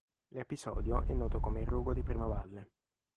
L'episodio è noto come Rogo di Primavalle.